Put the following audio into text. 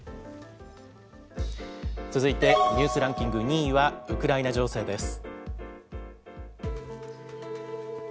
続いて、ニュースランキング２位はウクライナ情勢です。